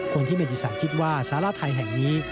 คนที่เมติศักดิ์คิดว่าสาราไทยแห่งนี้